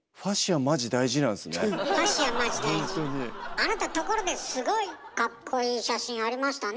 あなたところですごいかっこいい写真ありましたね。